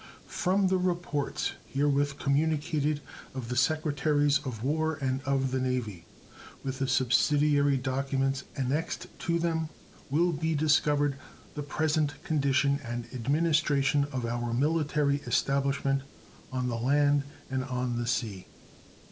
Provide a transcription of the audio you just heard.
From the reports herewith communicated of the Secretaries of War and of the Navy, with the subsidiary documents annexed to them, will be discovered the present condition and administration of our military establishment on the land and on the sea.